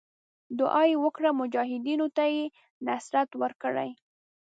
دعا یې وکړه مجاهدینو ته دې نصرت ورکړي.